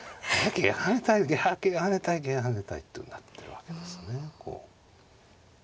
桂跳ねたい桂跳ねたい桂跳ねたいっていうふうになってるわけですね。